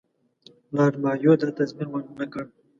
لارډ مایو دا تضمین ورنه کړ.